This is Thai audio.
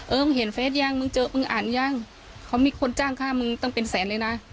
มึงเห็นเฟสยังมึงเจอมึงอ่านยังเขามีคนจ้างค่ามึงตั้งเป็นแสนเลยนะ